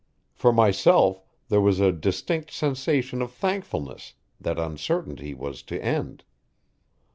For myself, there was a distinct sensation of thankfulness that uncertainty was to end.